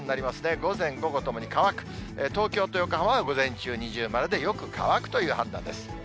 午前、午後ともに乾く、東京と横浜は午前中二重丸でよく乾くという判断です。